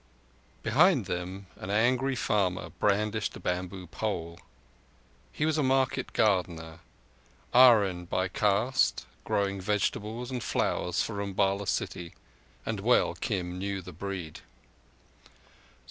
Behind them an angry farmer brandished a bamboo pole. He was a market gardener, Arain by caste, growing vegetables and flowers for Umballa city, and well Kim knew the breed.